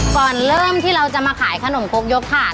ก่อนเริ่มที่เราจะมาขายขนมคกยกถาด